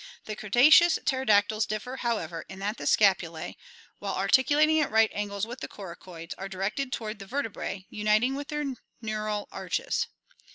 The Cre taceous pterodactyls differ, however, in that the scapulae, while articulating at right angles with the coracoids, are directed toward the vertebrae, uniting with their neural arches.